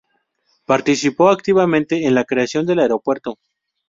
Participó activamente en la creación del aeropuerto.